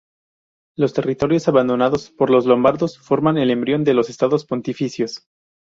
Los territorios abandonados por los lombardos forman el embrión de los Estados Pontificios.